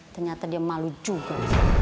ternyata dia malu juga